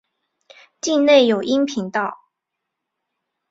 境内有阴平道。